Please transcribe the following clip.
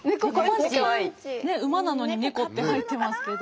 馬なのにネコって入っていますけど。